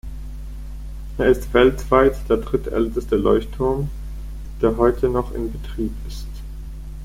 Er ist weltweit der drittälteste Leuchtturm, der heute noch in Betrieb ist.